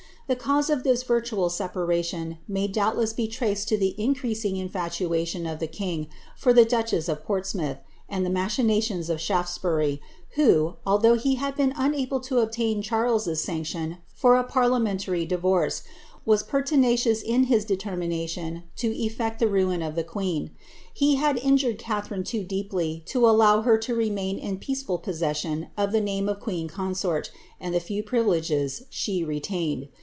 The of this virtual separation may doubtless be traced to the increasing of the king for the duchess of Portsmouth, and tlie niachi of Shaftesbury, who, although he had been unable to obtain Qailcs's sanction for a parliamentary divorce, was pertinacious in his facnnination to efiect the ruin of the queen, lie had injured Catharine too deeply to allow her to remain in peaceful possession of the name of ^peen coniort and tlie few privileges she retained.